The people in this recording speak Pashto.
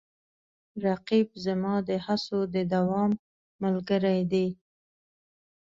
رقیب زما د هڅو د دوام ملګری دی